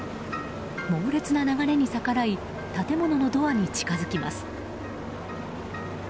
猛烈な流れに逆らい建物のドアに近づきます。